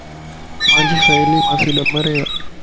مانجي سھيلي مانسي ڏمري اي